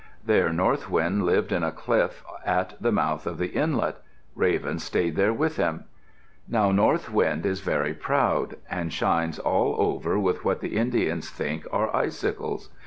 There North Wind lived in a cliff at the mouth of the inlet. Raven stayed there with him. Now North Wind is very proud and shines all over with what the Indians think are icicles.